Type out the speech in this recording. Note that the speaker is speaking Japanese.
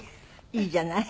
いいじゃない。